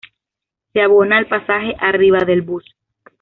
Se abona el pasaje arriba del bus.